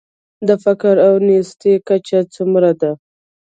د فقر او نیستۍ کچه څومره ده؟